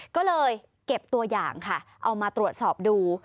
ก็เลยเก็บตัวอย่างค่ะเอามาตรวจสอบดู